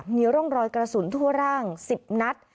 มีร่องรอยกระสุนทั่วร่าง๑๐นัด